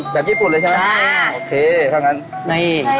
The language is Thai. แบบญี่ปุ่นเลยใช่ไหมโอเคคลั่งงั้นใช่